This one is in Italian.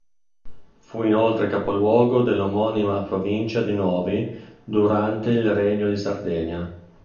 Fu inoltre capoluogo dell'omonima provincia di Novi durante il Regno di Sardegna.